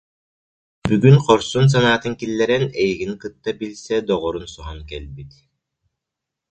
Бүгүн хорсун санаатын киллэрэн, эйигин кытта билсэ доҕорун соһон кэлбит